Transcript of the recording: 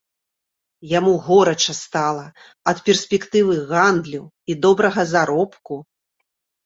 Яму горача стала ад перспектывы гандлю і добрага заробку.